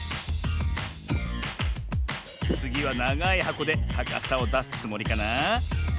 つぎはながいはこでたかさをだすつもりかな？